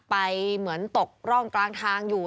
เหมือนตกร่องกลางทางอยู่